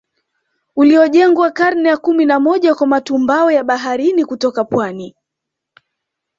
Uliojengwa karne ya kumi na moja kwa matumbawe ya baharini kutoka pwani